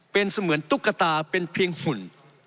เป็นเสมือนตุ๊กตาเป็นเพียงหุ่น